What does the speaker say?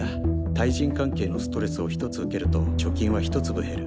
対人関係のストレスを１つ受けると貯金は１粒減る。